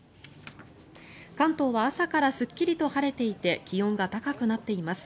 関東は朝からすっきりと晴れていて気温が高くなっています。